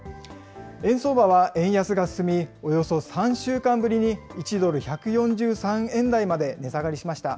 円相場は円安が進み、およそ３週間ぶりに１ドル１４３円台まで値下がりしました。